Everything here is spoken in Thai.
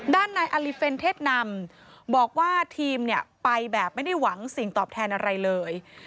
ด้านนายอลิเฟนเทศนำบอกว่าทีมเนี่ยไปแบบไม่ได้หวังสิ่งตอบแทนอะไรเลย